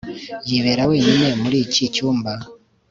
Yibera wenyine muri iki cyumba